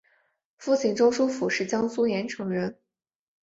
父亲周书府是江苏盐城人。